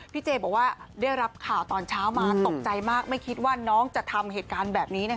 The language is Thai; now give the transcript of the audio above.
เจบอกว่าได้รับข่าวตอนเช้ามาตกใจมากไม่คิดว่าน้องจะทำเหตุการณ์แบบนี้